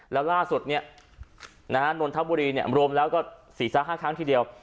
แล้วล่าสุดนนทบุรีรวมแล้วก็๔๕ครั้งทีเดียว